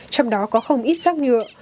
trong đó có không ít rác nhựa